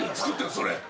それ。